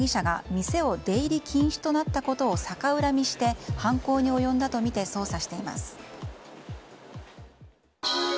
警視庁は、最上容疑者が店を出入り禁止となったことを逆恨みして、犯行に及んだとみて捜査しています。